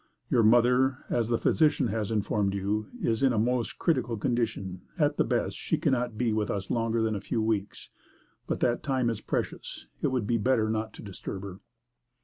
Your mother, as the physician has informed you, is in a most critical condition; at the best, she cannot be with us longer than a few weeks, but that time is precious. It would be better not to disturb her."